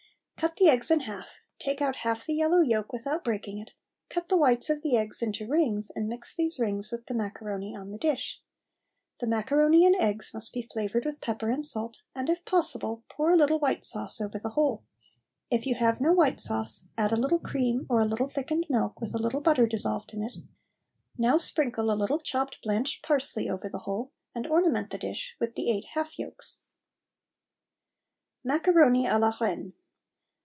Cut the eggs in half, take out the half yellow yolk without breaking it; cut the whites of the eggs into rings and mix these rings with the macaroni on the dish. The macaroni and eggs must be flavoured with pepper and salt, and if possible pour a little white sauce over the whole. If you have no white sauce add a little cream or a little thickened milk with a little butter dissolved in it; now sprinkle a little chopped blanched parsley over the whole and ornament the dish with the eight half yolks. MACARONI A LA REINE.